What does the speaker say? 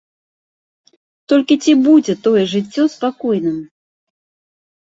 Толькі ці будзе тое жыццё спакойным?